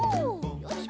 よいしょ。